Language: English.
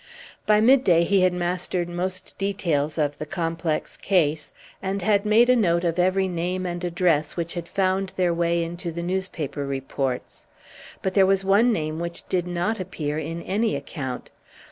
By midday he had mastered most details of the complex case, and made a note of every name and address which had found their way into the newspaper reports. But there was one name which did not appear in any account.